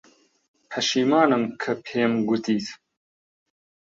پەشیمانم کە پێم گوتیت.